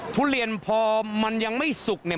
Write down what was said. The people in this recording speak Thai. ทุเรียนพอมันยังไม่สุกเนี่ย